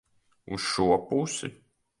Uz šo pusi?